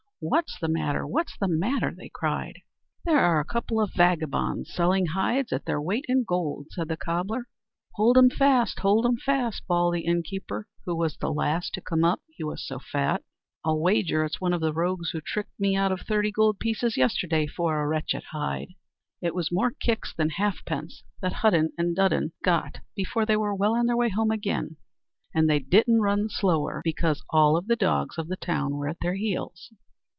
"What 's the matter? What's the matter?" cried they. "Here are a couple of vagabonds selling hides at their weight in gold," said the cobbler. "Hold 'em fast; hold 'em fast!" bawled the innkeeper, who was the last to come up, he was so fat. "I'll wager it's one of the rogues who tricked me out of thirty gold pieces yesterday for a wretched hide." It was more kicks than halfpence that Hudden and Dudden got before they were well on their way home again, and they didn't run the slower because all the dogs of the town were at their heels.